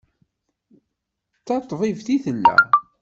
D taṭbibt i tella?